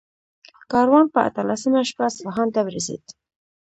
کاروان په اتلسمه شپه اصفهان ته ورسېد.